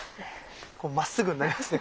こうまっすぐになりますね心が。